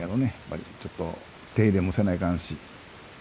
ちょっと手入れもせないかんし。